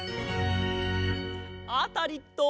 アタリット！